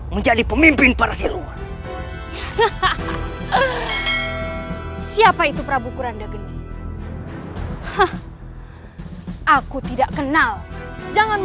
karena prabu kuranda geni telah mengangkatku